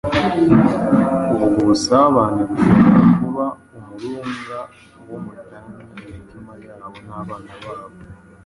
Ubwo busabane bushobora kuba umurunga womatanya imitima yabo n’abana babo,